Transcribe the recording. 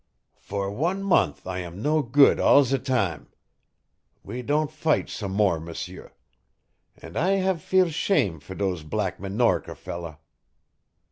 "For one month I am no good all ze tam. We don' fight some more, M'sieur. And I have feel ashame' for dose Black Minorca feller.